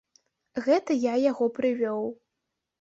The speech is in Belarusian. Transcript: Гэта я яго прывёў.